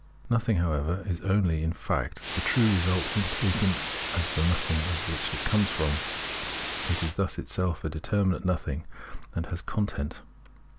Nothing, however, is only, in fact, the true result, when taken as the nothing of what it comes from ; it is thus itself a determinate nothing, and has a content.